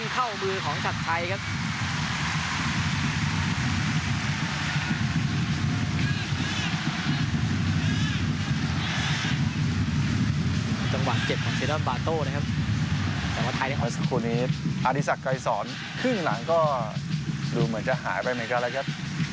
ขึ้นข้างหลังก็ดูเหมือนจะหายไปไหมก็แหละครับ